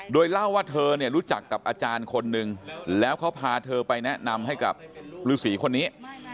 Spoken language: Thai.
โดยเล่าว่าเธอเนี่ยรู้จักกับอาจารย์คนนึงแล้วเขาพาเธอไปแนะนำให้กับฤษีคนนี้